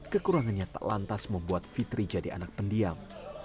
kekurangannya tak lantas membuat fitri jadi anak pendiam